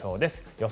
予想